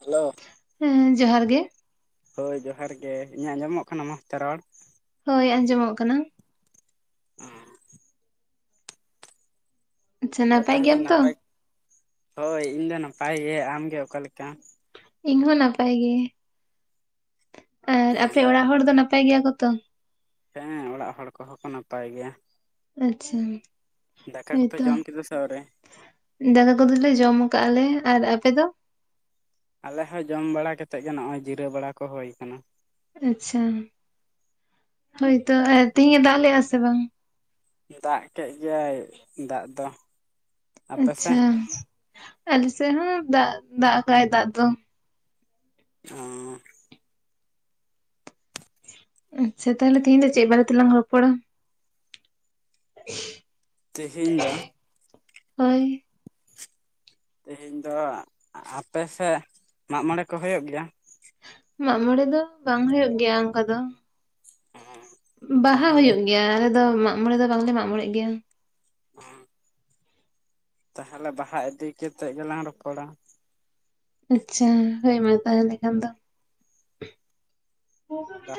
Hello. ᱦᱩᱸ ᱡᱚᱦᱟᱨ ᱜᱮ᱾ ᱦᱳᱭ ᱡᱚᱦᱟᱨ ᱜᱮ, ᱤᱧᱟᱹᱜ ᱟᱢᱚᱢᱚᱜ ᱠᱟᱱᱟ ᱢᱚᱸᱡᱽ ᱛᱮ ᱨᱚᱲ? ᱦᱳᱭ ᱟᱸᱡᱚᱢᱚᱜ ᱠᱟᱱᱟ᱾ [unintelligible] ᱟᱪᱪᱷᱟ ᱱᱟᱯᱟᱭ ᱛᱟᱦᱚᱞᱮ ᱜᱮᱭᱟᱢ ᱛᱚ? ᱱᱟᱯᱟᱭ ᱦᱳᱭ ᱤᱧᱫᱚ ᱱᱟᱯᱟᱭᱮ ᱟᱢᱜᱮ ᱚᱠᱟ ᱞᱮᱠᱟ? ᱤᱧ ᱦᱚᱸ ᱱᱟᱯᱟᱭ ᱜᱮ ᱟᱨ ᱚ ᱟᱯᱮ ᱚᱲᱟᱜ ᱦᱚᱲ ᱫᱚ ᱱᱟᱯᱟᱭ ᱜᱮᱭᱟ ᱠᱚᱛᱚ? ᱦᱮᱸ ᱚᱲᱟᱜ ᱦᱚᱲ ᱠᱚᱦᱚᱸ ᱠᱚ ᱱᱟᱯᱟᱭ ᱜᱮᱭᱟ᱾ ᱟᱪᱪᱷᱟ᱾ ᱫᱟᱠᱟ ᱠᱚᱯᱮ ᱦᱳᱭᱛᱚ ᱡᱚᱢ ᱠᱮᱫᱟ ᱥᱮ ᱟᱣᱨᱤ? ᱫᱟᱠᱟ ᱠᱚᱫᱚᱞᱮ ᱡᱚᱢ ᱟᱠᱟᱜ-ᱟ ᱞᱮ, ᱟᱨ ᱟᱯᱮ ᱫᱚ? ᱟᱞᱮ ᱦᱚᱸ ᱡᱚᱢ ᱵᱟᱲᱟ ᱠᱟᱛᱮᱫ ᱜᱮ ᱱᱚᱜ-ᱚᱭ ᱡᱤᱨᱟᱹᱣ ᱵᱟᱲᱟ ᱠᱚ ᱦᱳᱭ ᱠᱟᱱᱟ᱾ ᱟᱪᱪᱷᱟ ᱦᱳᱭᱛᱚ ᱛᱤᱦᱤᱧ ᱮ ᱫᱟᱜ ᱞᱮᱜ-ᱟ ᱥᱮ ᱵᱟᱝ? ᱫᱟᱜ ᱠᱮᱫ ᱜᱮᱭᱟᱭ ᱫᱟᱜ ᱫᱚ᱾ ᱟᱯᱮ ᱥᱮᱫ? ᱟᱪᱪᱷᱟ ᱟᱞᱮ ᱥᱮᱫ ᱦᱚᱸ ᱫᱟᱜ ᱫᱟᱜ ᱠᱟᱭ ᱫᱟᱜ ᱫᱚ᱾ ᱚᱻ ᱟᱪᱪᱷᱟ ᱛᱟᱦᱚᱞᱮ ᱛᱮᱦᱧ ᱫᱚ ᱪᱮᱫᱵᱟᱨ ᱛᱮ ᱞᱟᱝ ᱨᱚᱯᱚᱲᱟ? ᱛᱮᱦᱮᱧ ᱫᱚ ᱦᱳᱭ᱾ ᱛᱮᱦᱮᱧ ᱫᱚ ᱟᱯᱮ ᱥᱮᱫ ᱢᱟᱜ ᱢᱚᱬᱮ ᱠᱚ ᱦᱩᱭᱩᱜ ᱜᱮᱭᱟ? ᱢᱟᱜ ᱢᱚᱲᱮ ᱫᱚ ᱵᱟᱝ ᱦᱩᱭᱩᱜ ᱜᱮᱭᱟ ᱚᱱᱠᱟ ᱫᱚ᱾ ᱚᱻ ᱵᱟᱦᱟ ᱦᱩᱭᱩᱜ ᱜᱮᱭᱟ ᱟᱞᱮ ᱫᱚ ᱢᱟᱜ ᱢᱚᱬᱮ ᱫᱚ ᱵᱟᱝᱞᱮ ᱢᱟᱜᱽ ᱢᱚᱬᱮᱜ ᱜᱮᱭᱟ᱾ [unintelligible] ᱛᱟᱦᱚᱞᱮ ᱵᱟᱦᱟ ᱤᱫᱤ ᱠᱮᱛᱮᱜ ᱜᱮᱞᱟᱝ ᱨᱚᱯᱚᱲᱟ᱾ ᱟᱪᱪᱷᱟ ᱦᱳᱭ ᱢᱟ ᱛᱟᱦᱚᱞᱮ ᱠᱷᱟᱱ ᱫᱚ᱾ ᱵᱟ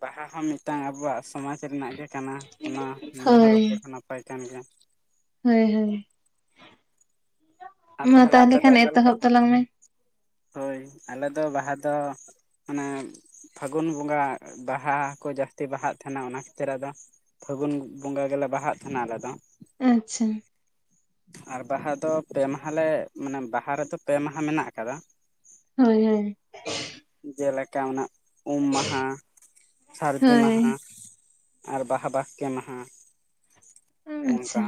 ᱵᱟᱦᱟ ᱦᱚᱸ ᱢᱤᱫᱴᱟᱝ ᱟᱵᱚᱣᱟᱜ ᱥᱚᱢᱟᱡ ᱨᱮᱱᱟᱜ ᱜᱮ ᱠᱟᱱᱟ ᱚᱱᱟ ᱱᱤᱭᱟᱹ ᱦᱚᱸ ᱦᱳᱭ ᱨᱚᱯᱚᱲ ᱦᱚᱸ ᱱᱟᱯᱟᱭ ᱠᱟᱱ ᱜᱮᱭᱟ᱾ ᱦᱳᱭ ᱦᱳᱭ ᱟᱨ ᱢᱟ ᱛᱟᱦᱚᱞᱮ ᱟᱯᱮ ᱫᱚ ᱠᱷᱟᱱ ᱚᱠᱟ ᱞᱮᱠᱟ ᱮᱛᱚᱦᱚᱵ ᱛᱟᱞᱟᱝ ᱢᱮ᱾ ᱦᱳᱭ ᱟᱞᱮ ᱫᱚ ᱵᱟᱦᱟ ᱫᱚ ᱢᱟᱱᱮ ᱯᱷᱟᱹᱜᱩᱱ ᱵᱚᱸᱜᱟ ᱵᱟᱦᱟ ᱠᱚ ᱡᱟᱹᱥᱛᱤ ᱵᱟᱦᱟᱜ ᱛᱟᱦᱮᱱᱟ ᱚᱱᱟ ᱠᱷᱟᱹᱛᱤᱨ ᱟᱫᱚ ᱯᱷᱟᱹᱜᱩᱱ ᱵᱚᱸᱜᱟ ᱜᱮᱞᱮ ᱵᱟᱦᱟᱜ ᱛᱟᱦᱮᱱᱟ ᱟᱞᱮ ᱫᱚ᱾ ᱟᱪᱪᱷᱟ᱾ ᱟᱨ ᱵᱟᱦᱟ ᱫᱚ ᱯᱮ ᱢᱟᱦᱟᱟᱞᱮ ᱢᱟᱱᱮ ᱵᱟᱦᱟ ᱨᱮᱫᱚ ᱯᱮ ᱢᱟᱦᱟ ᱢᱮᱱᱟᱜ ᱟᱠᱟᱫᱟ᱾ ᱦᱳᱭ ᱦᱳᱭ᱾ ᱡᱮᱞᱮᱠᱟ ᱚᱱᱟ ᱩᱢ ᱢᱟᱦᱟ, ᱥᱟᱹᱨᱫᱤ ᱦᱳᱭ ᱢᱟᱦᱟ ᱟᱨ ᱵᱟᱦᱟ ᱵᱟᱥᱠᱮ ᱢᱟᱦᱟ ᱟᱪᱪᱷᱟ ᱚᱝᱠᱟ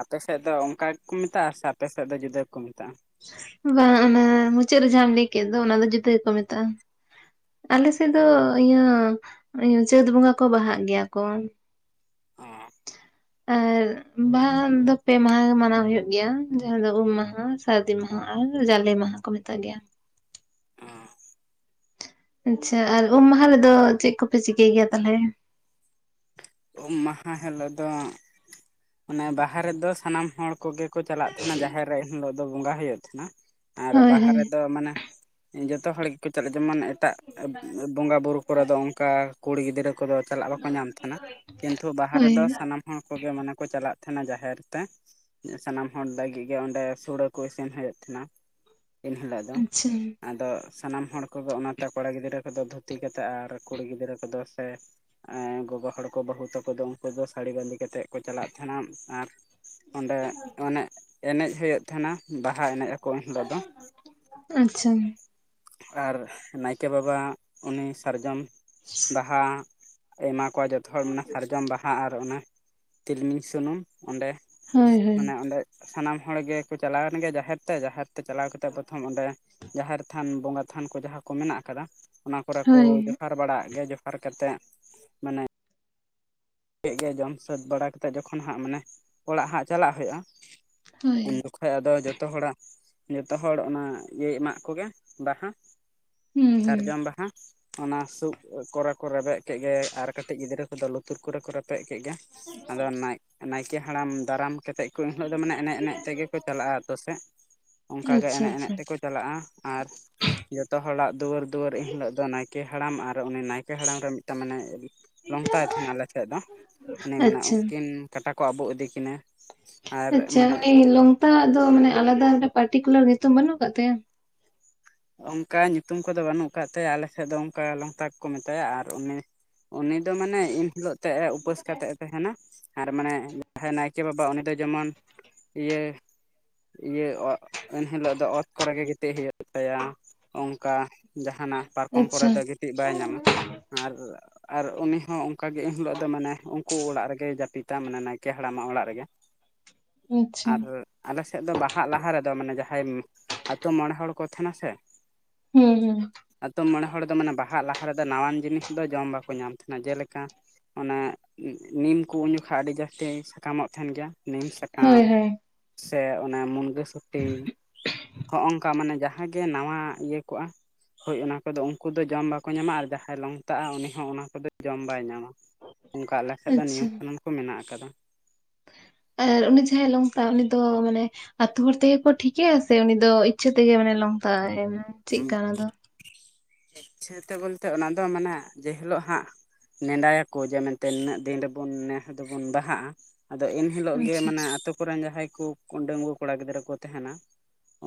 ᱟᱯᱮᱥᱮᱫ ᱫᱚ ᱚᱱᱠᱟ ᱜᱮᱠᱩ ᱢᱮᱛᱟᱜ-ᱟ, ᱥᱮ ᱟᱯᱮᱥᱮᱫ ᱫᱚ ᱡᱩᱫᱟᱹ ᱜᱮᱠᱚ ᱢᱮᱛᱟᱜ-ᱟ? ᱵᱟᱝ, ᱚᱱᱟ ᱢᱩᱪᱟᱹᱫ ᱨᱮ ᱡᱟᱦᱟᱸᱟᱢ ᱞᱟᱹᱭ ᱠᱮᱫ ᱫᱚ ᱚᱱᱟ ᱫᱚ ᱡᱩᱫᱟᱹ ᱜᱮᱠᱚ ᱢᱮᱛᱟᱜ-ᱟ᱾ ᱟᱞᱮ ᱥᱮᱫ ᱫᱚ ᱤᱭᱟᱹ ᱤᱭᱟᱹ ᱪᱟᱹᱛ ᱵᱚᱸᱜᱟ ᱠᱚ ᱵᱟᱦᱟᱜ ᱜᱮᱭᱟ ᱠᱚ᱾ ᱚᱸᱻ᱾ ᱟᱨ ᱵᱟᱦᱟ ᱫᱚ ᱯᱮ ᱢᱟᱦᱟ ᱜᱮ ᱢᱟᱱᱟᱣ ᱦᱩᱭᱩᱜ ᱜᱮᱭᱟ, ᱡᱟᱦᱟᱸ ᱫᱚ ᱩᱢ ᱢᱟᱦᱟ᱾ ᱥᱟᱹᱨᱫᱤ ᱢᱟᱦᱟ ᱟᱨ ᱡᱟᱞᱮ ᱢᱟᱦᱟ ᱠᱚ ᱢᱮᱛᱟᱜ ᱜᱮᱭᱟ᱾ ᱚᱸᱻ᱾ ᱟᱪᱪᱷᱟ, ᱟᱨ ᱩᱢ ᱢᱟᱦᱟ ᱨᱮᱫᱚ ᱪᱮᱫ ᱠᱚᱯᱮ ᱪᱤᱠᱟᱹᱭ ᱜᱮᱭᱟ ᱛᱟᱦᱚᱞᱮ? ᱩᱢ ᱢᱟᱦᱟ ᱦᱤᱞᱳᱜ ᱫᱚ ᱚᱱᱮ ᱵᱟᱦᱟ ᱨᱮᱫᱚ ᱥᱟᱱᱟᱢ ᱦᱚᱲ ᱠᱚᱜᱮ ᱠᱚ ᱪᱟᱞᱟᱜ ᱛᱟᱦᱮᱱᱟ ᱡᱟᱦᱮᱨ ᱨᱮ ᱮᱱ ᱦᱤᱞᱳᱜ ᱫᱚ ᱵᱚᱸᱜᱟ ᱦᱩᱭᱩᱜ ᱛᱟᱦᱮᱱᱟ᱾ ᱟᱨ ᱦᱳᱭ ᱵᱟᱦᱟ ᱦᱳᱭ ᱨᱮᱫᱚ ᱢᱟᱱᱮ ᱡᱚᱛᱚ ᱦᱚᱲ ᱠᱚ ᱪᱟᱞᱟᱜ ᱡᱮᱢᱚᱱ ᱮᱴᱟᱜ ᱵᱚᱸᱜᱟ ᱵᱳᱨᱩ ᱠᱚᱨᱮᱫ ᱫᱚ ᱚᱱᱠᱟ ᱠᱩᱲᱤ ᱜᱤᱫᱽᱨᱟᱹ ᱠᱚᱫᱚ ᱪᱟᱞᱟᱜ ᱵᱟᱠᱚ ᱧᱟᱢ ᱛᱟ ᱛᱟᱦᱮᱸᱱᱟ, ᱠᱤᱱᱛᱩ ᱵᱟᱦᱟ ᱦᱳᱭ ᱨᱮᱫᱚ ᱥᱟᱱᱟᱢ ᱦᱚᱲ ᱠᱚᱜᱮ ᱢᱟᱱᱮ ᱠᱚ ᱪᱟᱞᱟᱜ ᱛᱟᱦᱮᱱᱟ ᱡᱟᱦᱮᱨ ᱛᱮ᱾ ᱥᱟᱱᱟᱢ ᱦᱚᱲ ᱞᱟᱹᱜᱤᱫ ᱜᱮ ᱚᱸᱰᱮ ᱥᱩᱲᱮ ᱠᱚ ᱤᱥᱤᱱ ᱦᱩᱭᱩᱜ ᱛᱟᱦᱮᱱᱟ ᱮᱱᱦᱤᱞᱳᱜ ᱫᱚ᱾ ᱟᱪᱪᱷᱟ ᱟᱫᱚ ᱥᱟᱱᱟᱢ ᱦᱚᱲ ᱠᱚᱜᱮ ᱚᱱᱟᱛᱮ ᱠᱚᱲᱟ ᱜᱤᱫᱽᱨᱟᱹ ᱠᱚᱫᱚ ᱫᱷᱩᱛᱤ ᱠᱟᱛᱮᱫ ᱟᱨ ᱠᱩᱲᱤ ᱜᱤᱫᱽᱨᱟᱹ ᱠᱚᱫᱚ ᱥᱮ ᱜᱚᱜᱚ ᱦᱚᱲ ᱠᱚ ᱵᱟᱹᱦᱩ ᱛᱟᱠᱚ ᱫᱚ ᱩᱱᱠᱩ ᱫᱚ ᱥᱟᱹᱲᱤ ᱵᱟᱸᱫᱮ ᱠᱟᱛᱮᱫ ᱠᱚ ᱪᱟᱞᱟᱜ ᱛᱟᱦᱮᱱᱟ, ᱟᱨ ᱚᱸᱰᱮ ᱚᱱᱮ ᱮᱱᱮᱡ ᱦᱩᱭᱩᱜ ᱛᱟᱦᱮᱱᱟ, ᱵᱟᱦᱟ ᱮᱱᱮᱡ ᱟᱠᱚ ᱩᱱ ᱦᱤᱞᱳᱜ ᱫᱚ᱾ ᱟᱪᱪᱷᱟ᱾ ᱟᱨ ᱱᱟᱭᱠᱮ ᱵᱟᱵᱟ ᱩᱱᱤ ᱥᱟᱨᱡᱚᱢ ᱵᱟᱦᱟ ᱮᱢᱟ ᱠᱚᱣᱟ ᱡᱚᱛᱚ ᱦᱚᱲ ᱢᱮᱱᱟᱜ-ᱟ, ᱥᱟᱨᱡᱚᱢ ᱵᱟᱦᱟ ᱟᱨ ᱚᱱᱟ ᱛᱤᱞᱢᱤᱧ ᱥᱩᱱᱩᱢ ᱚᱸᱰᱮ᱾ ᱦᱳᱭ ᱦᱳᱭ ᱢᱟᱱᱮ ᱚᱸᱰᱮ ᱥᱟᱱᱟᱢ ᱦᱚᱲ ᱜᱮᱠᱚ ᱪᱟᱞᱟᱣᱮᱱ ᱜᱮ ᱡᱟᱦᱮᱨ ᱛᱮ ᱡᱟᱦᱮᱨ ᱪᱟᱞᱟᱣ ᱠᱟᱛᱮ ᱯᱚᱛᱷᱚᱢ ᱚᱸᱰᱮ ᱡᱟᱦᱮᱨ ᱛᱷᱟᱱ ᱵᱚᱸᱜᱟ ᱛᱷᱟᱱ ᱠᱚ ᱡᱟᱦᱟᱸ ᱠᱚ ᱢᱮᱱᱟᱜ ᱠᱟᱫᱟ᱾ ᱚᱱᱟ ᱠᱚᱨᱮ ᱠᱚ ᱦᱳᱭ ᱡᱚᱦᱟᱨ ᱵᱟᱲᱟᱣᱟᱜ ᱜᱮ, ᱡᱚᱦᱟᱨ ᱠᱟᱛᱮᱫ ᱢᱟᱱᱮ ᱠᱮᱫ ᱜᱮ ᱡᱚᱢ ᱥᱟᱹᱛ ᱵᱟᱲᱟ ᱠᱟᱛᱮᱫ ᱡᱚᱠᱷᱚᱱ ᱦᱟᱸᱜ ᱢᱟᱱᱮ ᱚᱲᱟᱜ ᱦᱟᱜ ᱪᱟᱞᱟᱜ ᱦᱳᱭᱳᱜ-ᱟ᱾ ᱦᱳᱭ᱾ ᱠᱷᱚᱡ ᱟᱫᱚ ᱡᱚᱛᱚ ᱦᱚᱲᱟᱜ ᱡᱚᱛᱚ ᱦᱚᱲ ᱚᱱᱟ ᱤᱭᱟᱹᱭ ᱮᱢᱟᱜ ᱠᱚᱜᱮ ᱵᱟᱦᱟ᱾ ᱦᱩᱸ ᱦᱩᱸ ᱥᱟᱨᱡᱚᱢ ᱵᱟᱦᱟ᱾ ᱚᱱᱟ ᱥᱩᱜ ᱠᱚᱨᱮ ᱠᱚ ᱨᱮᱵᱮᱫ ᱠᱮᱫ ᱜᱮ ᱟᱨ ᱠᱟᱹᱴᱤᱡ ᱜᱤᱫᱽᱨᱟᱹ ᱠᱚᱫᱚ ᱞᱩᱛᱩᱨ ᱠᱚᱨᱮ ᱠᱚ ᱨᱮᱯᱮᱫ ᱠᱮᱫ ᱜᱮ᱾ ᱟᱫᱚ ᱱᱟᱭ ᱱᱟᱭᱠᱮ ᱦᱟᱲᱟᱢ ᱫᱟᱨᱟᱢ ᱠᱮᱛᱮᱜ ᱩᱱ ᱦᱤᱞᱳᱜ ᱫᱚ ᱢᱟᱱᱮ ᱮᱱᱮᱡ ᱮᱱᱮᱡ ᱛᱮᱜᱮ ᱠᱚ ᱪᱟᱞᱟᱜ-ᱟ ᱟᱛᱳ ᱥᱮᱫ, ᱚᱱᱠᱟᱜᱮ ᱟᱪᱪᱷᱟ ᱮᱱᱮᱡ ᱮᱱᱮᱡ ᱟᱪᱪᱷᱟ ᱛᱮᱠᱚ ᱪᱟᱞᱟᱜ-ᱟ᱾ ᱟᱨ ᱡᱚᱛᱚ ᱦᱚᱲᱟᱜ ᱫᱩᱣᱟᱹᱨ ᱫᱩᱣᱟᱹᱨ ᱮᱱᱦᱤᱞᱳ ᱫᱚ ᱱᱟᱭᱠᱮ ᱦᱟᱲᱟᱢ ᱟᱨ ᱩᱱᱤ ᱱᱟᱭ ᱠᱮ ᱦᱟᱲᱟᱢ ᱨᱮ ᱢᱤᱫᱴᱟᱝ ᱢᱟᱱᱮ ᱞᱚᱝᱛᱟᱭ ᱛᱟᱦᱮᱱᱟ ᱟᱞᱮ ᱴᱷᱮᱱ ᱫᱚ, ᱩᱱᱤ ᱢᱟᱱᱮ ᱟᱪᱪᱷᱟ ᱩᱱᱠᱤᱱ ᱠᱟᱴᱟ ᱠᱚ ᱟᱵᱩᱜ ᱤᱫᱤᱠᱤᱱᱟ᱾ ᱟᱪᱪᱷᱟ, ᱩᱱᱤ ᱞᱚᱝᱛᱟᱣᱟᱜ ᱫᱚ ᱢᱟᱱᱮ ᱟᱞᱟᱫᱟ ᱢᱤᱫᱴᱟᱝ ᱯᱟᱨᱴᱤᱠᱩᱞᱟᱨ ᱧᱩᱛᱩᱢ ᱵᱟᱹᱱᱩᱜ ᱠᱟᱫ ᱛᱟᱭᱟ? ᱚᱱᱠᱟ ᱧᱩᱛᱩᱢ ᱠᱚᱫᱚ ᱵᱟᱱᱩᱜ ᱠᱟᱫ ᱛᱟᱭᱟ ᱟᱞᱮᱥᱮᱫ ᱫᱚ ᱚᱱᱠᱟ ᱞᱚᱝᱛᱟ ᱜᱮᱠᱚ ᱢᱮᱛᱟᱭᱟ ᱟᱨ ᱩᱱᱤ ᱩᱱᱤ ᱫᱚ ᱢᱟᱱᱮ ᱮᱱ ᱦᱤᱞᱳᱜ ᱛᱮᱜ-ᱮ ᱩᱯᱟᱹᱥ ᱠᱟᱛᱮᱜ ᱮ ᱛᱟᱦᱮᱱᱟ᱾ ᱟᱨ ᱢᱟᱱᱮ ᱡᱟᱦᱟᱸᱭ ᱱᱟᱭᱠᱮ ᱵᱟᱵᱟ ᱩᱱᱤ ᱫᱚ ᱡᱮᱢᱚᱱ ᱤᱭᱟᱹ ᱤᱭᱟᱹ ᱚ ᱮᱱᱦᱤᱞᱳᱜ ᱫᱚ ᱚᱛ ᱠᱚᱨᱮ ᱜᱮ ᱜᱤᱛᱤᱡ ᱦᱳᱭᱳᱜ ᱛᱟᱭᱟ ᱚᱝᱠᱟ ᱡᱟᱦᱟᱱᱟᱜ ᱯᱟᱨᱠᱚᱢ ᱠᱚᱨᱮ ᱟᱪᱪᱷᱟ ᱫᱚ ᱜᱤᱛᱤᱡ ᱵᱟᱭ ᱧᱟᱢᱟ, ᱟᱨ ᱟᱨ ᱩᱱᱤ ᱦᱚᱸ ᱚᱱᱠᱟᱜᱮ ᱮᱱᱦᱤᱞᱳᱜ ᱫᱚ ᱢᱟᱱᱮ ᱩᱱᱠᱩ ᱚᱲᱟᱜ ᱨᱮᱜᱮᱭ ᱡᱟᱹᱯᱤᱫᱟ ᱢᱟᱱᱮ ᱱᱟᱭᱠᱮ ᱦᱟᱲᱟᱢᱟᱜ ᱚᱲᱟᱜ ᱨᱮᱜᱮ᱾ [inaudible] ᱟᱨ ᱟᱞᱮ ᱥᱮᱫ ᱫᱚ ᱵᱟᱦᱟᱜ ᱞᱟᱦᱟ ᱨᱮᱫᱚ ᱢᱟᱱᱮ ᱡᱟᱦᱟᱸᱭ ᱟᱛᱳ ᱢᱚᱬᱮ ᱦᱚᱲ ᱠᱚ ᱛᱟᱦᱮᱱᱟ ᱥᱮ᱾ ᱦᱩᱸ ᱦᱩᱸ᱾ ᱟᱛᱳ ᱢᱚᱬᱮ ᱦᱚᱲ ᱫᱚ ᱢᱟᱱᱮ ᱵᱟᱦᱟᱜ ᱞᱟᱦᱟ ᱨᱮᱫᱚ ᱱᱟᱣᱟᱱ ᱡᱤᱱᱤᱥ ᱫᱚ ᱡᱚᱢ ᱵᱟᱠᱚ ᱧᱟᱢ ᱛᱟᱦᱮᱱᱟ ᱾ ᱡᱮᱞᱮᱠᱟ ᱚᱱᱮ ᱱᱤᱢ ᱠᱩ ᱩᱱ ᱡᱚᱠᱷᱟᱡ ᱟᱹᱰᱤ ᱡᱟᱹᱥᱛᱤ ᱥᱟᱠᱟᱢᱚᱜ ᱛᱟᱦᱮᱱ ᱜᱮᱭᱟ ᱾ ᱱᱤᱢ ᱦᱳᱭ ᱥᱟᱠᱟᱢ ᱦᱳᱭ ᱥᱮ ᱚᱱᱟ ᱢᱩᱱᱜᱟᱹ ᱥᱩᱴᱤ [inaudible] ᱦᱚᱸᱜᱝᱠᱟ ᱢᱟᱱᱮ ᱡᱟ ᱦᱟᱸ ᱜᱮ ᱱᱟᱣᱟ ᱤᱭᱟᱹ ᱠᱚᱜ-ᱟ ᱦᱳᱭ, ᱚᱱᱟ ᱠᱚᱫᱚ ᱩᱱᱠᱩ ᱫᱚ ᱡᱚᱢ ᱵᱟᱠᱚ ᱧᱟᱢᱟ ᱟᱨ ᱡᱟᱦᱟᱸᱭ ᱞᱚᱝᱛᱟᱜ-ᱟ ᱩᱱᱤ ᱦᱚᱸ ᱚᱱᱟ ᱠᱚᱫᱚ ᱡᱚᱢ ᱵᱟᱭ ᱧᱟᱢᱟ᱾ ᱚᱱᱠᱟ ᱟᱞᱮ ᱥᱮᱫ ᱫᱚ ᱟᱪᱪᱷᱟ ᱱᱤᱭᱚᱢ ᱠᱟᱱᱩᱱ ᱠᱚ ᱢᱮᱱᱟᱜ ᱟᱠᱟᱫᱟ᱾ ᱟᱨ ᱩᱱᱤ ᱡᱟᱦᱟᱸᱭ ᱞᱚᱝᱛᱟᱜ-ᱟ ᱩᱱᱤ ᱫᱚ ᱢᱟᱱᱮ ᱟᱹᱛᱩ ᱦᱚᱲ ᱛᱮᱜᱮ ᱠᱚ ᱴᱷᱤᱠᱮᱭᱟ ᱥᱮ ᱩᱱᱤ ᱫᱚ ᱤᱪᱪᱷᱟᱹ ᱛᱮᱜᱮ ᱢᱟᱱᱮ ᱞᱚᱝᱛᱟᱜ-ᱟᱭ, ᱪᱮᱫ ᱠᱟ ᱚᱱᱟ ᱫᱚ? ᱤᱪᱪᱷᱟᱹ ᱛᱮ ᱵᱚᱞᱛᱮ, ᱚᱱᱟ ᱫᱚ ᱢᱟᱱᱮ ᱡᱮ ᱦᱤᱞᱳᱜ ᱦᱟᱸᱜ ᱱᱮᱱᱰᱟᱭ ᱟᱠᱚ ᱡᱮ ᱢᱮᱱᱛᱮ ᱱᱤᱱᱟᱹᱜ ᱫᱤᱱ ᱨᱮ ᱵᱚᱱ ᱱᱮᱥ ᱫᱚᱵᱚᱱ ᱵᱟᱦᱟᱜ-ᱟ ᱾ ᱟᱫᱚ ᱤᱱ ᱦᱤᱞᱳᱜ ᱜᱮ ᱟᱪᱪᱷᱟ ᱢᱟᱱᱮ ᱟᱛᱳ ᱠᱚᱨᱮᱱ ᱡᱟᱦᱟᱸᱭ ᱠᱚ ᱰᱟᱹᱝᱜᱩᱣᱟᱹ ᱠᱚᱲᱟ ᱜᱤᱫᱽᱨᱟᱹ ᱠᱚ ᱛᱟᱦᱮᱱᱟ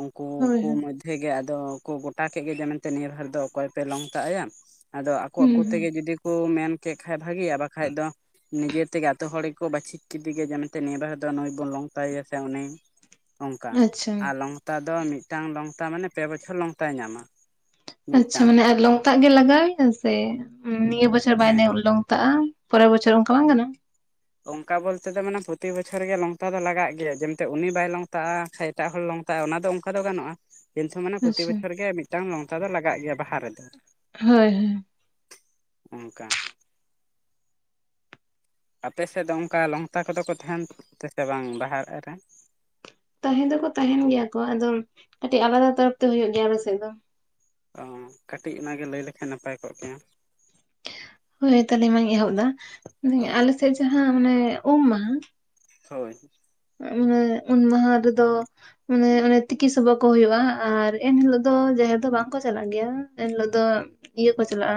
ᱩᱱᱠᱩ ᱦᱳᱭ ᱠᱚ ᱦᱳᱭ ᱢᱚᱫᱽᱫᱷᱮ ᱜᱮ ᱟᱫᱚ ᱠᱚ ᱜᱚᱴᱟ ᱠᱮᱜ ᱜᱮ ᱡᱮ ᱢᱮᱱᱛᱮ ᱱᱤᱭᱟᱹ ᱵᱟᱨ ᱫᱚ ᱚᱠᱚᱭ ᱯᱮ ᱞᱚᱝᱛᱟᱜ ᱟᱭᱟ ᱾ ᱟᱫᱚ ᱟᱠᱚ ᱦᱩᱸ ᱟᱠᱚ ᱦᱩᱸ ᱛᱮᱜᱮ ᱡᱩᱫᱤ ᱠᱚ ᱢᱮᱱ ᱠᱮᱜ ᱠᱷᱟᱜ ᱵᱷᱟᱜᱤᱭᱟ, ᱵᱟᱠᱷᱟᱡ ᱫᱚ ᱱᱤᱡᱮ ᱛᱮᱜᱮ ᱟᱛᱳ ᱦᱚᱲ ᱜᱮ ᱠᱚ ᱵᱟᱹᱪᱷᱤᱠ‌ ᱠᱮᱫᱮ ᱜᱮ ᱡᱮ ᱢᱮᱱᱛᱮ ᱱᱤᱭᱟᱹ ᱵᱟᱨ ᱫᱚ ᱱᱩᱭ ᱵᱚᱱ ᱞᱚᱝᱛᱟᱭᱮᱭᱟ ᱥᱮ ᱩᱱᱤ ᱾ ᱚᱱᱠᱟ, ᱟᱪᱪᱷᱟ ᱟᱨ ᱞᱚᱝᱛᱟ ᱫᱚ ᱢᱤᱫᱴᱟᱝ ᱞᱚᱝᱛᱟ ᱢᱟᱱᱮ ᱯᱮ ᱵᱚᱪᱷᱚᱨ ᱞᱚᱝᱛᱟᱭ ᱧᱟᱢᱟ᱾ ᱟᱪᱪᱷᱟ ᱢᱤᱫᱴᱟᱝ ᱢᱟᱱᱮ ᱟᱨ ᱞᱚᱝᱛᱟᱜ ᱜᱮ ᱞᱟᱜᱟᱣ ᱮᱭᱟ ᱥᱮ ᱩᱸ ᱱᱤᱭᱟᱹ ᱵᱚᱪᱷᱚᱨ ᱵᱟᱭ ᱦᱮᱸ ᱱᱮᱣ ᱞᱚᱝᱛᱟᱜ-ᱟ? ᱯᱚᱨᱮᱨ ᱵᱚᱪᱷᱚᱨ ᱚᱱᱠᱟ ᱵᱟᱝ ᱜᱟᱱᱚᱜ-ᱟ? ᱚᱱᱠᱟ ᱵᱚᱞᱛᱮ ᱫᱚ ᱢᱟᱱᱮ ᱯᱨᱚᱛᱤ ᱵᱚᱪᱷᱚᱨ ᱜᱮ ᱞᱚᱝᱛᱟ ᱫᱚ ᱞᱟᱜᱟᱜ ᱜᱮᱭᱟ, ᱡᱮ ᱢᱮᱱᱛᱮ ᱩᱱᱤ ᱵᱟᱭ ᱞᱚᱝᱛᱟᱜ-ᱟ ᱮᱴᱟᱜ ᱦᱚᱲ ᱞᱚᱝᱛᱟᱜ-ᱟ ᱚᱱᱟᱫᱚ ᱚᱱᱠᱟ ᱫᱚ ᱜᱟᱱᱚᱜ-ᱟ ᱾ ᱠᱤᱱᱛᱩ ᱢᱟᱱᱮ ᱯᱨᱚᱛᱤ ᱟᱪᱪᱷᱟ ᱵᱚᱪᱷᱚᱨ ᱜᱮ ᱢᱤᱫᱴᱟᱝ ᱞᱚᱝᱛᱟ ᱫᱚ ᱞᱟᱜᱟᱜ ᱜᱮᱭᱟ ᱵᱟᱦᱟ ᱨᱮᱫᱚ᱾ ᱦᱳᱭ ᱦᱳᱭ᱾ [inaudible] ᱚᱱᱠᱟ᱾ ᱟᱯᱮ ᱥᱮᱫ ᱫᱚ ᱚᱱᱠᱟ ᱞᱚᱝᱛᱟ ᱠᱚᱫᱚ ᱠᱚ ᱛᱟᱦᱮᱱ [unintelligible] ᱵᱟᱝ ᱵᱟᱦᱟ ᱨᱮ? ᱛᱟᱦᱮᱸ ᱫᱚᱠᱚ ᱛᱟᱦᱮᱱ ᱜᱮᱭᱟ ᱠᱚ ᱾ ᱟᱫᱚ ᱠᱟᱹᱴᱤᱡ ᱟᱞᱟᱫᱟ ᱛᱚᱨᱚᱯ ᱛᱮ ᱦᱩᱭᱩᱜ ᱜᱮᱭᱟ ᱟᱞᱮ ᱥᱮᱫ ᱫᱚ᱾ ᱚ, ᱠᱟᱹᱴᱤᱡ ᱚᱱᱟᱜᱮ ᱞᱟᱹᱭ ᱞᱮᱠᱷᱟᱱ ᱱᱟᱯᱟᱭ ᱠᱚᱜ ᱜᱮᱭᱟ᱾ ᱦᱳᱭ ᱛᱟᱦᱞᱮ ᱢᱟᱧ ᱮᱦᱚᱵ ᱮᱫᱟ, ᱦᱳᱭ ᱟᱞᱮᱥᱮᱫ ᱡᱟᱦᱟᱸ ᱢᱟᱱᱮ ᱩᱢ ᱢᱟᱦᱟ ᱦᱳᱭ ᱾ [unintelligible] ᱩᱢ ᱢᱟᱦᱟ ᱨᱮᱫᱚ ᱢᱟᱱᱮ ᱚᱱᱮ ᱛᱤᱠᱤ ᱥᱚᱵᱚᱜ ᱠᱚ ᱦᱩᱭᱩᱜ-ᱟ ᱟᱨ ᱮᱱᱦᱤᱞᱳᱜ ᱫᱚ ᱡᱟᱦᱮᱨ ᱫᱚ ᱵᱟᱝᱠᱚ ᱪᱟᱞᱟᱜ ᱜᱮᱭᱟ ᱾ ᱮᱱᱦᱤᱞᱳᱜ ᱫᱚ ᱤᱭᱟᱹ ᱠᱚ ᱪᱟᱞᱟᱜ-ᱟ,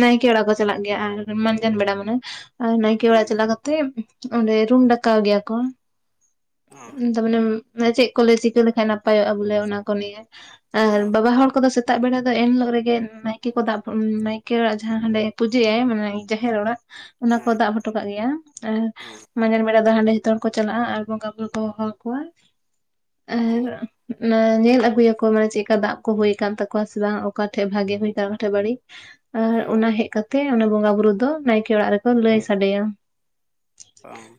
ᱱᱟᱭᱠᱮ ᱚᱲᱟᱜ ᱠᱚ ᱪᱟᱞᱟᱜ ᱜᱮᱭᱟ ᱟᱨ ᱢᱟᱸᱡᱟᱱ ᱵᱮᱲᱟ ᱢᱟᱱᱮ ᱟᱨ ᱱᱟᱭᱠᱮ ᱟᱲᱟᱜ ᱦᱮᱸ ᱪᱟᱞᱟᱣ ᱠᱟᱛᱮᱜ ᱚᱱᱰᱮ ᱨᱩᱢ ᱰᱟᱠᱟᱣ ᱜᱮᱭᱟ ᱠᱚ᱾ ᱚ [unintelligible] ᱪᱮᱫ ᱠᱚᱞᱮ ᱪᱤᱠᱟᱹ ᱞᱮᱠᱷᱟᱡ ᱱᱟᱯᱟᱭᱚᱜ-ᱟ ᱵᱚᱞᱮ ᱚᱱᱟ ᱠᱚ ᱱᱤᱭᱮ ᱾ ᱚ ᱟᱨ ᱵᱟᱵᱟ ᱦᱚᱲ ᱠᱚᱫᱚ ᱥᱮ ᱛᱟᱜ ᱵᱮᱲᱟ ᱫᱚ ᱮᱱ ᱦᱤᱞᱳᱜ ᱨᱮᱜᱮ ᱱᱟᱭᱠᱮ ᱠᱚ ᱫᱟᱵ ᱱᱟᱭᱠᱮ ᱚᱲᱟᱜ ᱡᱟᱦᱟᱸ ᱦᱟᱸᱰᱮ ᱯᱩᱡᱟᱹᱭᱟᱭ ᱢᱟᱱᱮ ᱡᱟᱦᱮᱨ ᱚᱲᱟᱜ ᱚᱱᱟ ᱠᱚ ᱦᱮᱸ ᱫᱟᱵ ᱦᱚᱴᱚ ᱠᱟᱜ ᱜᱮᱭᱟ ᱾ ᱟᱨ ᱚ ᱢᱟᱸᱡᱟᱱ ᱵᱮᱲᱟ ᱫᱚ ᱦᱟᱸᱰᱮ [unintelligible] ᱠᱚ ᱪᱟᱞᱟᱜ-ᱟ ᱟᱨ ᱵᱚᱸᱜᱟ ᱵᱩᱨᱩ ᱠᱚ ᱦᱚᱦᱚ ᱟᱠᱚᱣᱟ ᱾ [inaudible] ᱚ ᱟᱨ ᱚᱱᱟ ᱧᱮᱞ ᱟᱹᱜᱩᱭᱟᱠᱚ ᱢᱟᱱᱮ ᱪᱮᱜᱠᱟ ᱫᱟᱵᱽ ᱠᱚ ᱦᱩᱭ ᱟᱠᱟᱱ ᱛᱟᱠᱚᱣᱟ ᱥᱮ ᱵᱟᱝ, ᱚᱠᱟ ᱴᱷᱮᱡ ᱵᱷᱟᱜᱮ ᱦᱩᱭ ᱟᱠᱟᱱᱟ ᱚᱠᱟᱴᱷᱮᱡ ᱵᱟᱹᱲᱤᱡ᱾ ᱟᱨ ᱦᱮᱸ ᱚᱱᱟ ᱦᱮᱡ ᱠᱟᱛᱮ ᱚᱱᱟ ᱵᱚᱸᱜᱟ ᱵᱩᱨᱩ ᱫᱚ ᱱᱟᱭᱠᱮ ᱚᱲᱟᱜ ᱨᱮᱠᱚ ᱞᱟᱹᱭ ᱥᱟᱰᱮᱭᱟ᱾ ᱚᱝ ᱾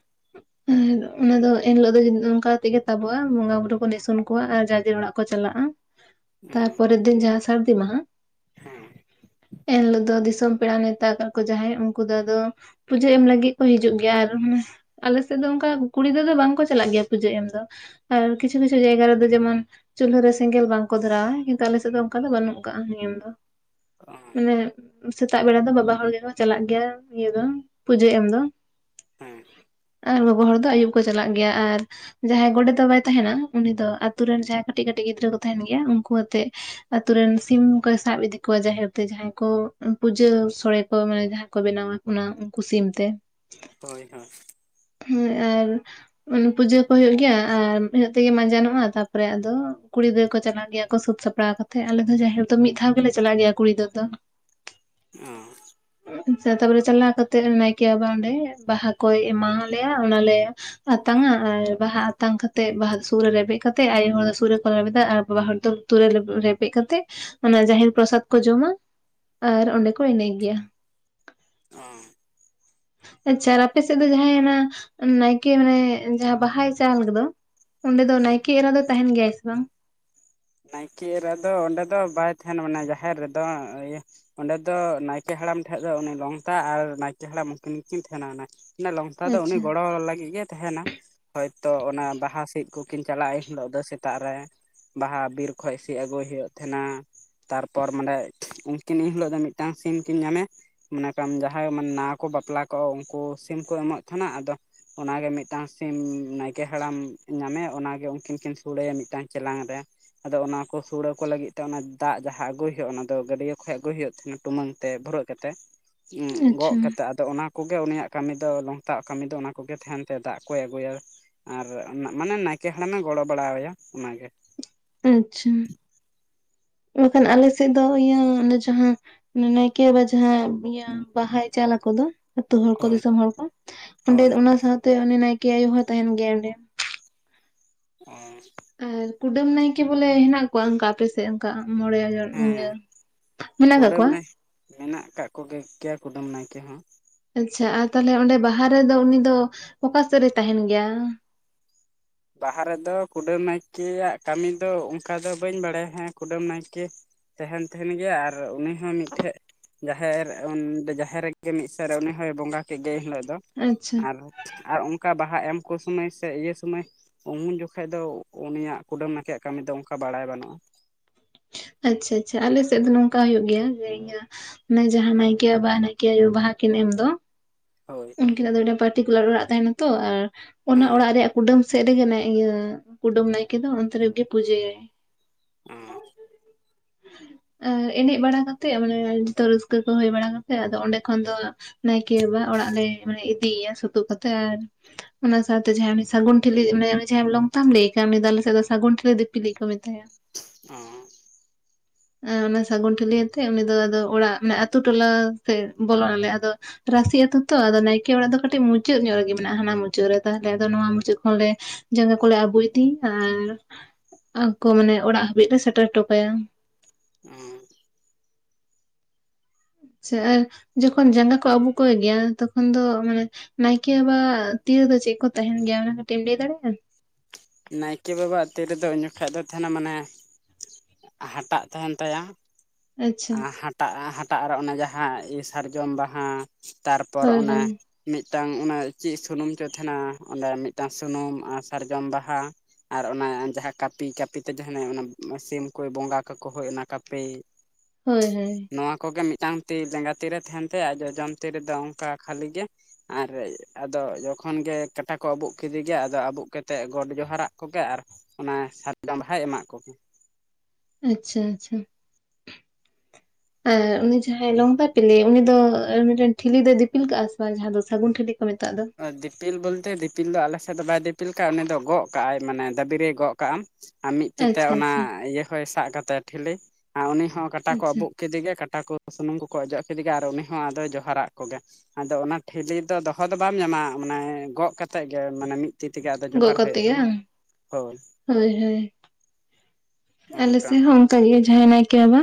ᱟᱨ ᱚᱱᱟ ᱫᱚ ᱮᱱ ᱦᱤᱞᱚᱜ ᱫᱚ ᱚᱱᱠᱟ ᱠᱟᱛᱮᱜ ᱜᱮ ᱛᱟᱵᱚᱜ-ᱟ, ᱵᱚᱸᱜᱟ ᱵᱩᱨᱩ ᱠᱚ ᱱᱤᱥᱩᱱ ᱠᱚᱣᱟ ᱟᱨ ᱡᱟᱨ ᱡᱮᱨ ᱚᱲᱟᱜ ᱠᱚ ᱪᱟᱞᱟᱜ-ᱟ᱾ [inaudible] ᱚ ᱛᱟᱨᱯᱚᱨᱮᱨ ᱫᱤᱱ ᱡᱟᱦᱟᱸ ᱥᱟᱹᱨᱫᱤ ᱢᱟᱦᱟ ᱦᱮᱸ [inaudible] ᱮᱱ ᱦᱤᱞᱳᱜ ᱫᱚ ᱫᱤᱥᱚᱢ ᱯᱮᱲᱟ ᱱᱮᱣᱛᱟ ᱟᱠᱟᱫ ᱠᱚ ᱡᱟᱦᱟᱸᱭ ᱩᱱᱠᱩ ᱫᱚ ᱟᱫᱚ ᱯᱩᱡᱟᱹ ᱮᱢ ᱞᱟᱹᱜᱤᱫ ᱠᱚ ᱦᱤᱡᱩᱜ ᱜᱮᱭᱟ ᱾ ᱟᱨ ᱟᱞᱮ ᱥᱮᱫ ᱫᱚ ᱚᱱᱠᱟ ᱠᱩᱲᱤ ᱜᱤᱫᱽᱨᱟᱹ ᱫᱚ ᱵᱟᱝᱠᱚ ᱪᱟᱞᱟᱜ ᱜᱮᱭᱟ ᱯᱩᱡᱟᱹ ᱮᱢ ᱫᱚ ᱾ ᱟᱨ ᱠᱤᱪᱷᱩ ᱠᱤᱪᱷᱩ ᱡᱟᱭᱜᱟ ᱨᱮᱫᱚ ᱡᱮᱢᱚᱱ ᱪᱩᱞᱦᱟᱹ ᱨᱮ ᱥᱮᱸᱜᱮᱞ ᱵᱟᱝᱠᱚ ᱫᱷᱚᱨᱟᱣᱟ, ᱠᱤᱱᱛᱩ ᱟᱞᱮ ᱥᱮᱫ ᱫᱚ ᱚᱱᱠᱟ ᱫᱚ ᱵᱟᱹᱱᱩᱜ ᱟᱠᱟᱜ-ᱟ ᱱᱤᱭᱚᱢ ᱫᱚ᱾ ᱚ ᱢᱟᱱᱮ ᱥᱮᱛᱟᱜ ᱵᱮᱲᱟ ᱫᱚ ᱵᱟᱵᱟ ᱦᱚᱲ ᱜᱮ ᱠᱚ ᱪᱟᱞᱟᱜ ᱜᱮᱭᱟ ᱤᱭᱟᱹ ᱫᱚ ᱯᱩᱡᱟᱹ ᱮᱢ ᱫᱚ᱾ ᱦᱮᱸ᱾ ᱟᱨ ᱜᱚᱜᱚ ᱦᱚᱲ ᱫᱚ ᱟᱹᱭᱩᱵ ᱠᱚ ᱪᱟᱞᱟᱜ ᱜᱮᱭᱟ, ᱟᱨ ᱡᱟᱦᱟᱸᱭ ᱜᱚᱰᱮᱛ ᱵᱟᱵᱟᱭ ᱛᱟᱦᱮᱸᱱᱟ ᱩᱱᱤ ᱫᱚ ᱟᱛᱩ ᱨᱮᱱ ᱡᱟᱦᱟᱸᱭ ᱠᱟᱹᱴᱤᱡ ᱠᱟᱹᱴᱤᱡ ᱜᱤᱫᱽᱨᱟᱹ ᱠᱚ ᱛᱟᱦᱮᱱ ᱜᱮᱭᱟ ᱩᱱᱠᱩ ᱟᱛᱮᱫ ᱟᱛᱩ ᱨᱮᱱ ᱥᱤᱢ ᱠᱚᱭ ᱥᱟᱵ ᱤᱫᱤ ᱠᱚᱣᱟ ᱡᱟᱦᱮᱨ ᱛᱮ, ᱡᱟᱦᱟᱸᱭ ᱠᱚ ᱯᱩᱡᱟᱹ ᱥᱚᱲᱮ ᱠᱚ ᱢᱟᱱᱮ ᱡᱟᱦᱟᱸᱭ ᱠᱚ ᱵᱮᱱᱟᱣᱟ, ᱚᱱᱟ ᱩᱱᱠᱩ ᱥᱤᱢ ᱛᱮ ᱾ ᱦᱳᱭ ᱦᱳᱭ᱾ ᱦᱳᱭ ᱟᱨ ᱯᱩᱡᱟᱹ ᱠᱚ ᱦᱩᱭᱳᱜ ᱜᱮᱭᱟ ᱟᱨ ᱤᱱᱟᱹᱜ ᱛᱮᱜᱮ ᱢᱟᱸᱡᱟᱱᱚᱜ-ᱟ ᱛᱟᱯᱚᱨᱮ ᱟᱫᱚ ᱠᱩᱲᱤ ᱜᱤᱫᱽᱨᱟᱹ ᱠᱚ ᱪᱟᱞᱟᱜ ᱜᱮᱭᱟ ᱠᱚ ᱥᱟᱹᱛ ᱥᱟᱯᱷᱟᱲᱟᱣ ᱠᱟᱛᱮ, ᱟᱞᱮ ᱫᱚ ᱡᱟᱦᱮᱨ ᱫᱚ ᱢᱤᱫ ᱫᱷᱟᱣ ᱜᱮᱞᱮ ᱪᱟᱞᱟᱜ ᱜᱮᱭᱟ ᱠᱩᱲᱤ ᱜᱤᱫᱽᱨᱟᱹ ᱫᱚ᱾ ᱚ ᱟᱪᱪᱷᱟ, ᱛᱟᱯᱚᱨᱮ ᱪᱟᱞᱟᱣ ᱠᱟᱛᱮᱜ ᱱᱟᱭᱠᱮ ᱵᱟᱵᱟ ᱚᱸᱰᱮ ᱵᱟᱦᱟ ᱠᱚᱭ ᱮᱢᱟᱣ ᱞᱮᱣᱟ ᱚᱱᱟᱞᱮ ᱟᱛᱟᱝᱟ ᱟᱨ ᱵᱟᱦᱟ ᱟᱛᱟᱝ ᱠᱟᱛᱮᱫ ᱵᱟᱦᱟ ᱥᱩᱨ ᱨᱮᱵᱮᱫ ᱠᱟᱛᱮᱫ ᱟᱭᱳ ᱦᱚᱲ ᱫᱚ ᱥᱩᱫᱽ ᱨᱮᱠᱚ ᱞᱮᱵᱮᱫᱟ ᱟᱨ ᱵᱟᱵᱟ ᱦᱚᱲ ᱫᱚ ᱞᱩᱛᱩᱨ ᱨᱮ ᱨᱮᱯᱮᱫ ᱠᱟᱛᱮᱫ ᱚᱱᱟ ᱡᱟᱦᱮᱨ ᱯᱨᱚᱥᱟᱫ ᱠᱚ ᱡᱚᱢᱟ᱾ ᱟᱨ ᱚᱸᱰᱮ ᱠᱚ ᱮᱱᱮᱡ ᱜᱮᱭᱟ᱾ ᱚᱻ ᱟᱪᱪᱷᱟ ᱟᱨ ᱟᱯᱮ ᱥᱮᱫ ᱫᱚ ᱡᱟᱦᱟᱸᱭ ᱚᱱᱟ ᱱᱟᱭᱠᱮ ᱢᱟᱱᱮ ᱡᱟᱦᱟᱸ ᱵᱟᱦᱟᱭ ᱪᱟᱞ ᱠᱮᱫᱟ ᱚᱸᱰᱮ ᱫᱚ ᱱᱟᱭᱠᱮ ᱮᱨᱟ ᱫᱚ ᱛᱟᱦᱮᱱ ᱜᱮᱭᱭᱟ ᱥᱮ ᱵᱟᱝ? ᱱᱟᱭᱠᱮ ᱮᱨᱟ ᱫᱚ ᱚᱸᱰᱮ ᱫᱚ ᱵᱟᱭ ᱛᱟᱦᱮᱱᱟ ᱢᱟᱱᱮ ᱡᱟᱦᱮᱨ ᱨᱮᱫᱚ ᱤᱭᱟᱹ ᱚᱸᱰᱮ ᱫᱚ ᱱᱟᱭᱠᱮ ᱦᱟᱲᱟᱢ ᱴᱷᱮᱡ ᱫᱚ ᱩᱱᱤ ᱞᱚᱝᱛᱟ ᱟᱨ ᱱᱟᱭᱠᱮ ᱦᱟᱲᱟᱢ ᱩᱱᱠᱤᱱ ᱜᱮᱠᱤᱱ ᱛᱟᱦᱮᱸᱱᱱᱟ᱾ ᱞᱚᱝᱛᱟ ᱫᱚ ᱩᱱᱤ ᱟᱪᱪᱷᱟ ᱜᱚᱲᱚ ᱞᱟᱹᱜᱤᱫ ᱜᱮᱭ ᱛᱟᱦᱮᱱᱟ᱾ ᱦᱳᱭᱛᱚ ᱚᱱᱟ ᱵᱟᱦᱟ ᱥᱤᱫᱽ ᱠᱚᱠᱤᱱ ᱪᱟᱞᱟᱜ-ᱟ ᱮᱱ ᱦᱤᱞᱳᱜ ᱫᱚ ᱥᱮᱛᱟᱜ ᱨᱮ᱾ ᱵᱟᱦᱟ ᱵᱤᱨ ᱠᱷᱚᱡ ᱥᱤᱫᱽ ᱟᱹᱜᱩᱭ ᱦᱩᱭᱩᱜ ᱛᱟᱦᱮᱱᱟ᱾ ᱛᱟᱨᱯᱚᱨ ᱢᱟᱱᱮ ᱩᱱᱠᱤᱱ ᱮᱱᱦᱤᱞᱳ ᱫᱚ ᱢᱤᱫᱴᱟᱝ ᱥᱤᱢ ᱠᱤᱱ ᱧᱟᱢᱮ ᱢᱚᱱᱮ ᱠᱟᱜᱟᱢ ᱡᱟᱦᱟᱸᱭ ᱢᱟᱱᱮ ᱱᱟᱣᱟ ᱠᱚ ᱵᱟᱯᱞᱟ ᱠᱚᱜ-ᱟ ᱩᱱᱠᱩ ᱥᱤᱢ ᱠᱚ ᱮᱢᱚᱜ ᱛᱟᱦᱮᱱᱟ, ᱟᱫᱚ ᱚᱱᱟᱜ ᱜᱮ ᱢᱤᱫᱴᱟᱝ ᱥᱤᱢ ᱱᱟᱭᱠᱮ ᱦᱟᱲᱟᱢ ᱧᱟᱢᱮᱭᱟ ᱚᱱᱟᱜᱮ ᱩᱱᱠᱤᱱ ᱠᱤᱱ ᱥᱳᱲᱮᱭᱟ ᱢᱤᱫᱴᱟᱝ ᱪᱮᱞᱟᱝ ᱨᱮ᱾ ᱟᱫᱚ ᱚᱱᱟ ᱠᱚ ᱥᱳᱲᱮ ᱠᱚ ᱞᱟᱜᱤᱫ ᱛᱮ ᱚᱱᱟ ᱫᱟᱜ ᱡᱟᱦᱟ ᱟᱜᱩᱭ ᱦᱩᱭᱩᱜ-ᱟ ᱚᱱᱟ ᱫᱚ ᱜᱟᱹᱰᱭᱟᱹ ᱠᱷᱚᱡ ᱟᱹᱜᱩᱭ ᱦᱩᱭᱩᱜ ᱛᱟᱦᱮᱸᱱᱟ ᱴᱩᱢᱟᱹᱝ ᱛᱮ ᱵᱷᱩᱨᱟᱹ ᱠᱟᱛᱮ ᱜᱚᱜ ᱟᱪᱪᱷᱟ ᱠᱟᱛᱮᱫ ᱾ ᱟᱫᱚ ᱚᱱᱟ ᱠᱚᱜᱮ ᱩᱱᱤᱭᱟᱜ ᱠᱟᱹᱢᱤ ᱫᱚ ᱞᱚᱝᱛᱟᱣᱟ ᱠᱟᱹᱢᱤ ᱫᱚ ᱚᱱᱟ ᱠᱚᱜᱮ ᱛᱟᱦᱮᱱ ᱛᱮ ᱫᱟᱜ ᱠᱚᱭ ᱟᱹᱜᱩᱭᱟ ᱾ ᱟᱨ ᱢᱟᱱᱮ ᱱᱟᱭᱠᱮ ᱦᱟᱲᱟᱢ ᱮ ᱜᱚᱲᱚ ᱵᱟᱲᱟᱭᱟ ᱚᱱᱟᱜᱮ᱾ ᱟᱪᱪᱷᱟ ᱢᱮᱱᱠᱷᱟᱱ ᱟᱞᱮ ᱥᱮᱫ ᱫᱚ ᱤᱭᱟᱹ ᱡᱟᱦᱟᱸ ᱱᱟᱭᱠᱮ ᱵᱟᱵᱟ ᱡᱟᱦᱟᱸ ᱤᱭᱟᱹ ᱵᱟᱦᱟᱭ ᱪᱟᱞ ᱟᱡᱚ ᱫᱚ ᱟᱹᱛᱳ ᱦᱚᱲ ᱠᱚ ᱦᱳᱭ ᱫᱤᱥᱚᱢ ᱦᱚᱲ ᱠᱚ ᱚᱸᱰᱮ ᱦᱳᱭ ᱚᱱᱟ ᱥᱟᱶᱛᱮ ᱩᱱᱤ ᱱᱟᱭᱠᱮ ᱟᱭᱳ ᱦᱚᱭ ᱛᱟᱦᱮᱱ ᱜᱮᱭᱟ ᱚᱸᱰᱮ᱾ [unintelligible] ᱟᱨ ᱠᱩᱰᱟᱹᱢ ᱱᱟᱭᱠᱮ ᱵᱚᱞᱮ ᱦᱮᱱᱟᱜ ᱠᱚᱣᱟ ᱚᱱᱠᱟ ᱟᱯᱮ ᱥᱮᱫ ᱚᱱᱠᱟ ᱢᱚᱬᱮ ᱤᱭᱟᱹ ᱦᱮᱸ ᱢᱮᱱᱟᱜ ᱠᱟᱜ ᱠᱩᱰᱟᱹᱢ ᱠᱚᱣᱟ? ᱱᱟᱭ ᱢᱮᱱᱟᱜ ᱟᱠᱟᱜ ᱠᱚᱜᱮ ᱜᱮᱭᱟ ᱠᱩᱰᱟᱹᱢ ᱱᱟᱭᱠᱮ ᱦᱚᱸ᱾ ᱟᱪᱪᱷᱟ ᱟᱨ ᱛᱟᱦᱚᱞᱮ ᱚᱸᱰᱮ ᱵᱟᱦᱟ ᱨᱮᱫᱚ ᱩᱱᱤ ᱫᱚ ᱚᱠᱟ ᱥᱮᱫ ᱨᱮᱭ ᱛᱟᱦᱮᱱ ᱜᱮᱭᱟ? ᱵᱟᱦᱟ ᱨᱮᱫᱚ ᱠᱩᱰᱟᱹᱢ ᱱᱟᱭᱠᱮᱭᱟᱜ ᱠᱟᱹᱢᱤ ᱫᱚ ᱚᱱᱠᱟ ᱫᱚ ᱵᱟᱹᱧ ᱵᱟᱲᱟᱭᱟ ᱦᱮᱸ ᱠᱩᱰᱟᱹᱢ ᱱᱟᱭᱠᱮ ᱛᱟᱦᱮᱱ ᱛᱟᱦᱮᱸ ᱜᱮᱭᱟ ᱟᱨ ᱩᱱᱤ ᱦᱚᱸ ᱢᱤᱫᱴᱷᱮᱡ ᱡᱟᱦᱮᱨ ᱚᱸᱰᱮ ᱡᱟᱦᱮᱨ ᱨᱮᱜᱮ ᱢᱤᱫ ᱥᱮᱫᱽ ᱨᱮ ᱩᱱᱤ ᱦᱚᱭ ᱵᱚᱸᱜᱟ ᱠᱮᱫ ᱜᱮ ᱮᱱᱦᱤᱞᱳᱜ ᱫᱚ᱾ ᱟᱪᱪᱷᱟ ᱟᱨ ᱟᱨ ᱚᱱᱠᱟ ᱵᱟᱦᱟ ᱮᱢ ᱠᱚ ᱥᱚᱢᱚᱭ ᱥᱮ ᱤᱭᱟᱹ ᱥᱚᱢᱚᱭ ᱩᱱ ᱡᱚᱠᱷᱟᱡ ᱫᱚ ᱩᱱᱤᱭᱟᱜ ᱠᱩᱰᱟᱹᱢ ᱱᱟᱠᱮᱭᱟᱜ ᱠᱟᱹᱢᱤ ᱫᱚ ᱚᱱᱠᱟ ᱵᱟᱲᱟᱭ ᱵᱟᱹᱱᱩᱜ-ᱟ᱾ ᱟᱪᱪᱷᱟ ᱟᱪᱪᱷᱟ ᱟᱞᱮ ᱥᱮᱫ ᱫᱚ ᱱᱚᱝᱠᱟ ᱦᱩᱭᱩᱜ ᱜᱮᱭᱟ ᱡᱮ ᱤᱭᱟᱹ ᱚᱱᱟ ᱡᱟᱦᱟᱸ ᱱᱟᱭᱠᱮ ᱵᱟᱵᱟ ᱱᱟᱭᱠᱮ ᱟᱭᱳ ᱵᱟᱦᱟ ᱠᱤᱱ ᱮᱢ ᱫᱚ ᱦᱳᱭ, ᱯᱟᱨᱴᱤᱠᱩᱞᱟᱨ ᱚᱲᱟᱜ ᱛᱟᱦᱮᱱᱟ ᱛᱚ ᱟᱨ ᱚᱱᱟ ᱦᱮᱸ ᱚᱲᱟᱜ ᱨᱮᱭᱟᱜ ᱠᱩᱰᱟᱹᱢ, ᱥᱮᱫ ᱨᱮᱜᱮ ᱱᱮ ᱤᱭᱟᱹ ᱠᱩᱰᱟᱹᱢ ᱱᱟᱭᱠᱮ ᱫᱚ ᱚᱱᱛᱮ ᱨᱮᱜᱮ ᱯᱩᱡᱟᱹᱭᱟᱭ, ᱚᱻ, ᱮᱱᱮᱡ ᱵᱟᱲᱟ ᱠᱟᱛᱮᱫ ᱢᱟᱱᱮ ᱡᱚᱛᱚ ᱨᱟᱹᱥᱠᱟᱹ ᱠᱚ ᱦᱳᱭ ᱵᱟᱲᱟ ᱠᱟᱛᱮᱜ ᱟᱫᱚ ᱚᱸᱰᱮ ᱠᱷᱚᱱ ᱫᱚ ᱱᱟᱭᱠᱮ ᱵᱟᱵᱟ ᱚᱲᱟᱜ ᱞᱮ ᱤᱫᱤᱭᱮᱭᱟ ᱥᱳᱛᱳᱜ ᱠᱟᱛᱮ ᱟᱨ ᱚᱱᱟ ᱥᱟᱣᱛᱮ ᱡᱟᱦᱟᱸᱭ ᱩᱱᱤ ᱥᱟᱹᱜᱩᱱ ᱴᱷᱤᱞᱤ ᱮᱢ ᱩᱱᱤ ᱡᱟᱦᱟᱸ ᱞᱚᱝᱛᱟᱢ ᱞᱟᱹᱭ ᱠᱟᱱ ᱩᱱᱤ ᱫᱚ ᱟᱞᱮ ᱥᱮᱫ ᱫᱚ ᱥᱟᱹᱜᱩᱱ ᱴᱷᱤᱞᱤ ᱫᱤᱯᱤᱞᱤᱡ ᱠᱚ ᱢᱮᱛᱟᱭᱟ [unintelligible] ᱚᱻᱚ [unintelligible] ᱚᱱᱟ ᱥᱟᱹᱜᱩᱱ ᱴᱷᱟᱹᱞᱤ ᱟᱛᱮᱜ ᱩᱱᱤ ᱫᱚ ᱟᱫᱚ ᱚᱲᱟᱜ ᱟᱛᱩ ᱴᱚᱞᱟ ᱥᱮᱫ ᱵᱚᱞᱚᱜ ᱟᱞᱮ ᱟᱫᱚ ᱨᱟ. ᱥᱤ ᱟ ᱛᱚ ᱟᱫᱚ ᱱᱟᱭᱠᱮ ᱚᱲᱟᱜ ᱫᱚ ᱠᱟᱹᱴᱤᱡ ᱢᱩᱪᱟᱹᱫ ᱧᱚᱜ ᱨᱮᱜᱮ ᱢᱮᱱᱟᱜᱼᱟ ᱦᱟᱱᱟ ᱢᱩᱪᱟᱹᱫ ᱨᱮ, ᱛᱟᱦᱚᱞᱮ ᱟᱫᱚ ᱱᱚᱣᱟ ᱢᱩᱪᱟᱹᱫ ᱠᱷᱚᱱ ᱞᱮ ᱡᱟᱸᱜᱟ ᱠᱚᱞᱮ ᱟᱵᱩᱜ ᱤᱫᱤ ᱟᱨ ᱟᱠᱚ ᱢᱟᱱᱮ ᱚᱲᱟᱜ ᱦᱟᱹᱵᱤᱡ ᱞᱮ ᱥᱮᱴᱮᱨ ᱦᱚᱴᱚ ᱠᱟᱭᱟ ᱚᱻ ᱪᱷᱟ ᱡᱚᱠᱷᱚᱱ ᱡᱟᱸᱜᱟ ᱠᱚ ᱟᱹᱵᱩᱜ ᱠᱚ ᱜᱮᱭᱟ ᱛᱚᱠᱷᱚᱱ ᱫᱚ ᱢᱟᱱᱮ ᱱᱟᱭᱠᱮ ᱵᱟᱵᱟ-ᱟᱜ ᱛᱤ ᱨᱮᱫᱚ ᱪᱮᱫ ᱠᱚ ᱛᱟᱦᱮᱱ ᱜᱮᱭᱟ ᱚᱱᱟ ᱠᱟᱹᱴᱤᱡ ᱮᱢ ᱞᱟᱹᱭ ᱫᱟᱲᱮᱭᱟᱜᱼᱟ? ᱱᱟᱭᱠᱮ ᱵᱟᱵᱟ-ᱟᱜ ᱛᱤ ᱨᱮᱫᱚ ᱩᱱ ᱡᱚᱠᱷᱟᱡ ᱫᱚ ᱛᱟᱦᱮᱱᱟ ᱢᱟᱱᱮ ᱦᱟᱴᱟᱜ ᱛᱟᱦᱮᱱ ᱛᱟᱭᱟ, ᱟᱪᱪᱷᱟ ᱦᱟᱴᱟᱜ ᱦᱟᱴᱟᱜ ᱨᱮ ᱚᱱᱟ ᱡᱟᱦᱟᱸ ᱥᱟᱨᱡᱚᱢ ᱵᱟᱦᱟ, ᱛᱟᱨᱯᱚᱨ ᱦᱳᱭ ᱚᱱᱮ ᱦᱳᱭ ᱢᱤᱫᱴᱟᱝ ᱚᱱᱮ ᱪᱮᱫ ᱥᱩᱱᱩᱢ ᱪᱚᱭ ᱛᱟᱦᱮᱱᱟ ᱚᱸᱰᱮ ᱢᱤᱫᱴᱟᱝ ᱥᱩᱱᱩᱢ ᱥᱟᱨᱡᱚᱢ ᱵᱟᱦᱟ ᱟᱨ ᱚᱱᱟ ᱡᱟᱦᱟᱸ ᱠᱟᱹᱯᱤ ᱠᱟᱹᱯᱤ ᱛᱮ ᱡᱟᱦᱟᱸᱱᱟᱜ ᱚᱱᱮ ᱥᱤᱢ ᱠᱚᱭ ᱵᱚᱸᱜᱟ ᱠᱟᱠᱚ ᱦᱳᱭ ᱚᱱᱟ ᱠᱟᱹᱯᱤ ᱦᱳᱭ ᱦᱳᱭ, ᱱᱚᱣᱟ ᱠᱚᱜᱮ ᱢᱤᱫᱴᱟᱝ ᱛᱤ ᱞᱮᱸᱜᱟ ᱛᱤ ᱨᱮ ᱛᱟᱦᱮᱱ ᱛᱟᱭᱟ ᱡᱚᱡᱚᱢ ᱛᱤ ᱨᱮ ᱫᱚ ᱚᱱᱠᱟ ᱠᱷᱟᱹᱞᱤ ᱜᱮ, ᱟᱨ ᱟᱫᱚ ᱡᱚᱠᱷᱚᱱ ᱜᱮ ᱠᱟᱴᱟ ᱠᱚ ᱟᱵᱩᱜ ᱠᱮᱫᱮ ᱜᱮᱭᱟ ᱟᱫᱚ ᱟᱵᱩᱜ ᱠᱟᱛᱮᱫ ᱜᱚᱰ ᱡᱚᱦᱟᱨᱟᱜ ᱠᱚᱜᱮ ᱟᱨ ᱚᱱᱮ ᱥᱟᱨᱡᱚᱢ ᱵᱟᱦᱟᱭ ᱮᱢᱟᱜ ᱠᱚᱜᱮ ᱟᱪᱪᱷᱟ ᱟᱪᱪᱷᱟ, ᱟᱨ ᱩᱱᱤ ᱡᱟᱦᱟᱸᱭ ᱞᱚᱝᱯᱟᱛᱤᱞᱤ ᱩᱱᱤ ᱫᱚ ᱢᱤᱫᱴᱮᱱ ᱴᱷᱤᱞᱤ ᱫᱚᱭ ᱫᱤᱯᱤᱞ ᱠᱟᱜᱼᱟ ᱥᱮ ᱵᱟᱝ ᱡᱟᱦᱟᱸ ᱫᱚ ᱥᱟᱹᱜᱩᱱ ᱴᱷᱤᱞᱤ ᱠᱚ ᱢᱮᱛᱟᱜ ᱫᱚ, ᱫᱤᱯᱤᱞ ᱵᱚᱞᱛᱮ ᱫᱤᱯᱤᱞ ᱫᱚ ᱟᱞᱮᱥᱮᱫ ᱫᱚ ᱵᱟᱭ ᱫᱤᱯᱤᱞ ᱠᱟᱜᱼᱟ ᱩᱱᱤ ᱫᱚ ᱜᱚᱜ ᱠᱟᱜᱼᱟᱭ ᱢᱟᱱᱮ ᱫᱟᱹᱵᱤᱨᱮ ᱜᱚᱜ ᱠᱟᱜᱼ ᱟ ᱾ ᱟᱨ ᱢᱤᱫ ᱛᱤᱛᱮ ᱟᱪᱪᱷᱟ ᱚᱱᱟ ᱟᱪᱪᱷᱟ ᱤᱭᱟᱹ ᱦᱚᱭ ᱥᱟᱵ ᱠᱟᱛᱟᱭᱟ ᱴᱷᱤᱞᱤ ᱟᱨ ᱩᱱᱤ ᱦᱚᱸ ᱠᱟᱴᱟ ᱠᱚ ᱟᱪᱪᱷᱟ ᱟᱵᱩᱜ ᱠᱤᱫᱮ ᱜᱮ ᱠᱟᱴᱟ ᱠᱚ ᱥᱩᱱᱩᱢ ᱠᱚᱠᱚ ᱚᱡᱚᱜ ᱠᱤᱫᱮ ᱟᱨ ᱩᱱᱤ ᱦᱚᱸ ᱟᱫᱚᱭ ᱡᱚᱦᱟᱨᱟᱜ ᱠᱚᱜᱮ, ᱟᱫᱚ ᱚᱱᱟ ᱴᱷᱤᱞᱤ ᱫᱚ ᱫᱚᱦᱚ ᱫᱚ ᱵᱟᱢ ᱧᱟᱢᱟ ᱢᱟᱱᱮ ᱜᱚᱜ ᱠᱟᱛᱮ ᱜᱮ ᱢᱟᱱᱮ ᱢᱤᱫ ᱛᱤ ᱛᱮᱜᱮ ᱟᱫᱚ ᱡᱚᱦᱟᱨ ᱜᱚᱜ ᱦᱳᱭᱳᱜ ᱠᱟᱛᱮ ᱜᱮ ᱛᱟᱢᱟ ᱵᱟᱝ ᱦᱳ ᱦᱳᱭ ᱦᱳᱭ ᱟᱞᱮ ᱥᱮ ᱦᱚᱸ ᱚᱝᱠᱟ ᱜᱮ ᱡᱟᱸᱦᱟᱭ ᱱᱟᱭᱠᱮ ᱵᱟᱵᱟ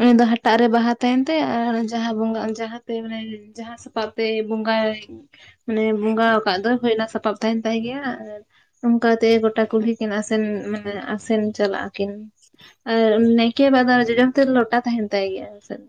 ᱩᱱᱤ ᱫᱚ ᱦᱟᱴᱟᱜ ᱨᱮ ᱵᱟᱦᱟ ᱛᱟᱦᱮᱱ ᱛᱟᱭᱟ ᱟᱨ ᱡᱟᱦᱟᱸ ᱵᱚᱸᱜᱟ ᱡᱟᱦᱟᱸᱛᱮ ᱢᱟᱱᱮ ᱡᱟᱦᱟᱸ ᱥᱟᱯᱟᱵᱛᱮ ᱵᱚᱸᱜᱟᱭ ᱢᱟᱱᱮ ᱵᱚᱸᱜᱟ ᱟᱠᱟᱫ ᱫᱚ ᱦᱳᱭ ᱚᱱᱟ ᱥᱟᱯᱟᱵ ᱛᱟᱦᱮᱱ ᱛᱟᱭ ᱜᱮᱭᱟ ᱚᱱᱠᱟ ᱛᱮ ᱜᱚᱴᱟ ᱠᱩᱞᱦᱤ ᱠᱤᱱ ᱟᱥᱮᱱ ᱢᱟᱱᱮ ᱟᱥᱮᱱ ᱪᱟᱞᱟᱜᱼᱟ ᱠᱤᱱ ᱱᱟᱭᱠᱮ ᱵᱟᱵᱟ-ᱟᱜ ᱫᱚ ᱡᱚᱡᱚ ᱛᱤ ᱨᱮ ᱞᱚᱴᱟ ᱛᱟᱦᱮᱱ ᱛᱟᱭ ᱜᱮᱭᱟ ᱟᱞᱮ ᱥᱮᱫ